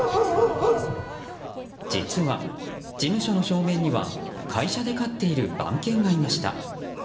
実は、事務所の正面には会社で飼っている番犬がいました。